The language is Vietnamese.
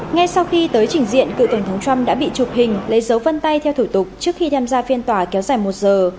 ngay sau khi tới trình diện cựu tổng thống trump đã bị chụp hình lấy dấu vân tay theo thủ tục trước khi tham gia phiên tòa kéo dài một giờ